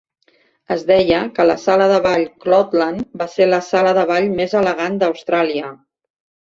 Es deia que la sala de ball Cloudland va ser la sala de ball més elegant d'Austràlia.